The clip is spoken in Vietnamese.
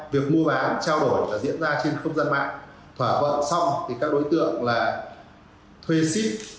vì việc mua bán trao đổi diễn ra trên không gian mạng thoả vận xong đối tượng thuê xít